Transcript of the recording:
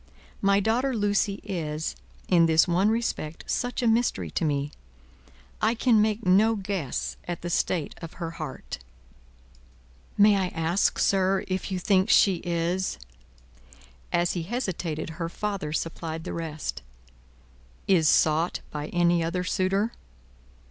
My daughter Lucie is, in this one respect, such a mystery to me; I can make no guess at the state of her heart." "May I ask, sir, if you think she is " As he hesitated, her father supplied the rest. "Is sought by any other suitor?"